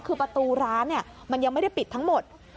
คือประตูร้านมันยังไม่ได้ปิดทั้งหมด